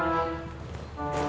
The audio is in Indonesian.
gak kecanduan hp